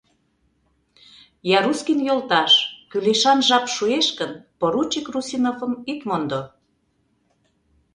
— Ярускин йолташ, кӱлешан жап шуэш гын, поручик Русиновым ит мондо...